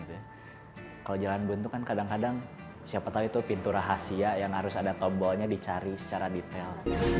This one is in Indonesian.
kalau jalan buntu kan kadang kadang siapa tahu itu pintu rahasia yang harus ada tombolnya dicari secara detail